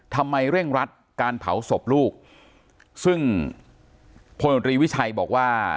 เร่งรัดการเผาศพลูกซึ่งพลตรีวิชัยบอกว่า